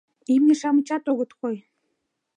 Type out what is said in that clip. Имне-шамычат огыт кой.